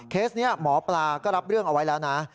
นี้หมอปลาก็รับเรื่องเอาไว้แล้วนะ